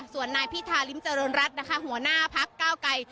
ส่วนนายพิธาริมจรณรัฐหัวหน้าภาคก้าวกัย